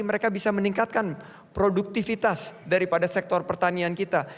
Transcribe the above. mereka bisa meningkatkan produktivitas daripada sektor pertanian kita